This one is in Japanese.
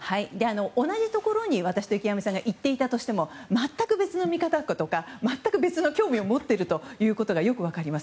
同じところに私と池上さんが行っていたとしても全く別の見方とか全く別の興味を持っていることがよく分かります。